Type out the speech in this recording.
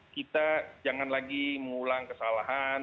kita jangan lagi mengulang kesalahan